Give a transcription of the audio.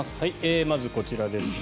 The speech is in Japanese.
まず、こちらですね。